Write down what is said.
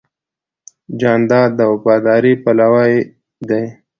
جانداد د وفادارۍ پلوی دی.